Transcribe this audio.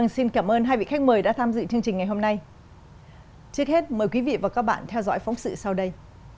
xin cảm ơn hai vị khách mời đã tham dự chương trình ngày hôm nay trước hết mời quý vị và các bạn theo dõi phóng sự sau đây